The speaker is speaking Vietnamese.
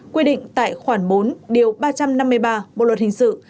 quyết định tại khoảng bốn ba trăm năm mươi ba bộ luật hình sự